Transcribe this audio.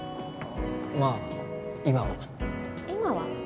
まあ今は「今は」？